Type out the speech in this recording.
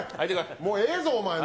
もうええぞ、お前な。